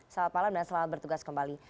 selamat malam dan selamat bertugas kembali